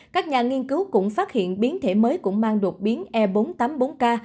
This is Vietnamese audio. các nhà nghiên cứu cũng phát hiện biến thể mới cũng mang đột biến e bốn trăm tám mươi bốn k